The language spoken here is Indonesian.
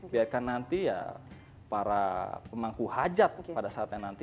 biarkan nanti ya para pemangku hajat pada saatnya nanti